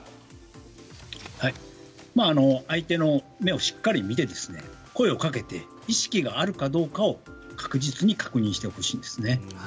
相手の目をしっかり見て声をかけて意識があるかどうかを確実に確認してほしいですね。